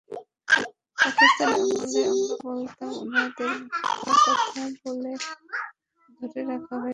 পাকিস্তান আমলে আমরা বলতাম ওনাদের ভুয়া কথা বলে ধরে রাখা হয়েছে।